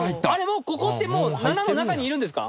もうここって７の中にいるんですか？